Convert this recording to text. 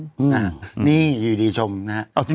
อืมนี่อยู่ดีชมนะฮะ